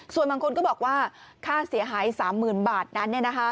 ส่วนบางคนก็บอกว่าค่าเสียหาย๓๐๐๐บาทนั้น